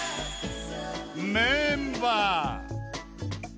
メンバー。